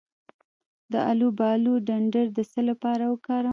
د الوبالو ډنډر د څه لپاره وکاروم؟